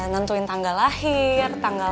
wabit dulu ya be ya